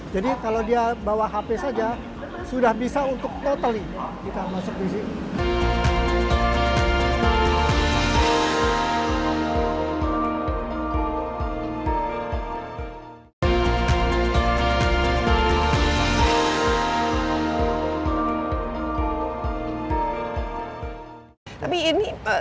jadi kalau dia bawa hp saja sudah bisa untuk totally kita masuk ke sini